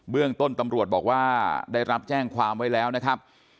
เรื่องต้นตำรวจบอกว่าได้รับแจ้งความไว้แล้วนะครับ